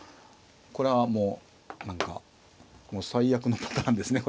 これはもう何か最悪のパターンですね。